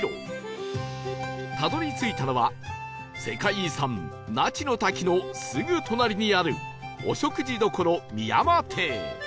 たどり着いたのは世界遺産那智の滝のすぐ隣にあるお食事どころ美山亭